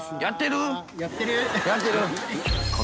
襦やってる？